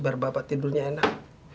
biar bapak tidurnya enak